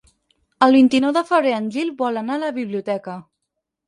El vint-i-nou de febrer en Gil vol anar a la biblioteca.